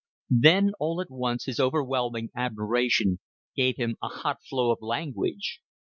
Then all at once his overwhelming admiration gave him a hot flow of language.